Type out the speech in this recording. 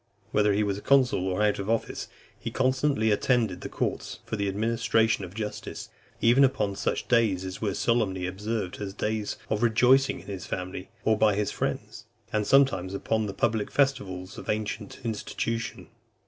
Whether he was consul or out of office, he constantly attended the courts for the administration of justice, even upon such days as were solemnly observed as days of rejoicing in his family, or by his friends; and sometimes upon the public festivals of ancient institution.